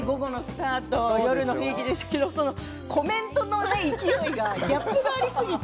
夜の雰囲気でしたがコメントの勢いがギャップがありすぎて。